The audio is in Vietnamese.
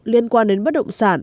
liên quan đến bất động sản